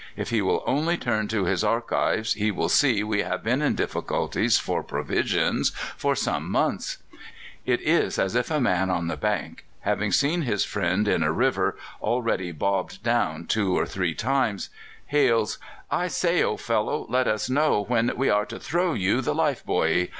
If he will only turn to his archives he will see we have been in difficulties for provisions for some months. It is as if a man on the bank, having seen his friend in a river already bobbed down two or three times, hails, 'I say, old fellow, let us know when we are to throw you the life buoy.